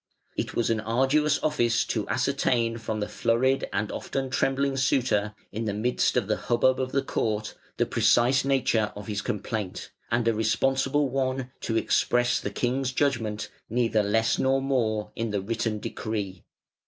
It was an arduous office to ascertain from the flurried and often trembling suitor, in the midst of the hubbub of the court, the precise nature of his complaint, and a responsible one to express the king's judgment, neither less nor more, in the written decree.